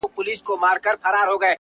• دا چي انجوني ټولي ژاړي سترگي سرې دي،